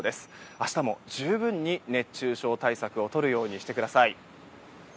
明日も十分に熱中症対策をとるようにしてください。